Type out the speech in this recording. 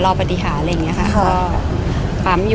ภาษาสนิทยาลัยสุดท้าย